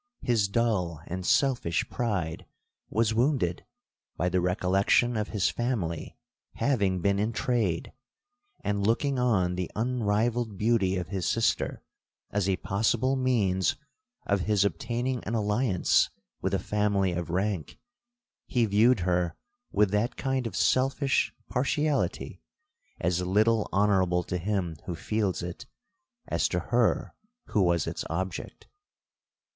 His dull and selfish pride was wounded by the recollection of his family having been in trade; and, looking on the unrivalled beauty of his sister as a possible means of his obtaining an alliance with a family of rank, he viewed her with that kind of selfish partiality as little honourable to him who feels it, as to her who was its object.